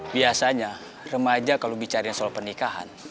biasanya remaja kalau bicarain soal pernikahan